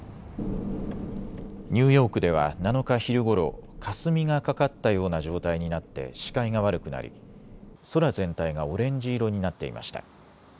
ニューヨークでは７日昼ごろかすみがかかったような状態になって視界が悪くなり空全体がオレンジ色になっていました。